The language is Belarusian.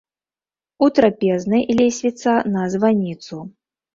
У трапезнай лесвіца на званіцу.